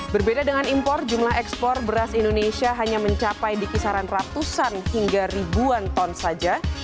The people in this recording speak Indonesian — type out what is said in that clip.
berbeda dengan impor jumlah ekspor beras indonesia hanya mencapai di kisaran ratusan hingga ribuan ton saja